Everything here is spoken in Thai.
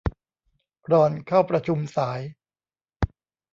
รอนเข้าประชุมสาย